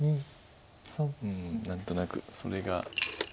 何となくそれが。